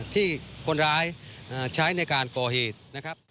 ที่คนร้ายใช้ในการก่อเหตุนะครับ